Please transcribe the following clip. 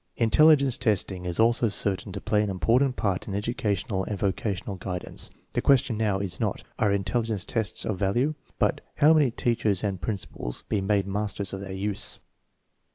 Intelligence testing is also certain to play an important part in educational and vocational guidance. The question now is not. Are intelligence tests of value? but, How may teachers and principals be made masters of their use?